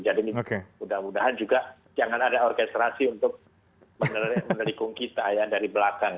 jadi ini mudah mudahan juga jangan ada orkestrasi untuk menelikung kita ya dari belakang